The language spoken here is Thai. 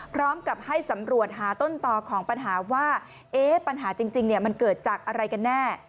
พร้อมกับให้สำรวจหาต้นต่อของปัญหาว่าปัญหาจริงมันเกิดจากอะไรกันแน่